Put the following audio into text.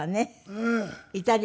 うん。